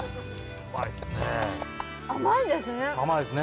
甘いですね。